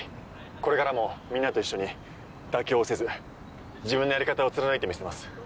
これからもみんなと一緒に妥協せず自分のやり方を貫いてみせます。